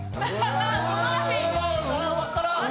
分からん。